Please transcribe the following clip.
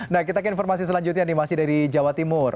nah kita ke informasi selanjutnya nih masih dari jawa timur